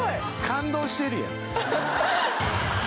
感動してるやん。